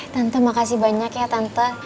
tanto makasih banyak ya tante